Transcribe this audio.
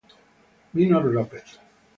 Minor López